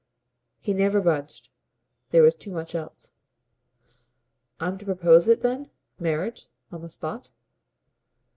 He never budged there was too much else. "I'm to propose it then marriage on the spot?"